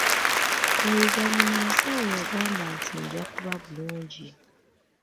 Oluvannyuma omusawo yagamba nti njakuba bulungi.